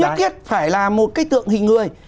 nhất thiết phải là một cái tượng hình người